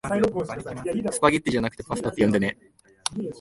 スパゲティじゃなくパスタって呼んでね